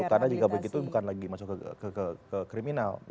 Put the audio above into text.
karena jika begitu bukan lagi masuk ke kriminal